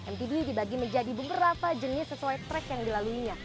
mtb dibagi menjadi beberapa jenis sesuai track yang dilaluinya